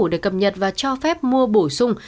để cập nhật và cho phép mua bổ sung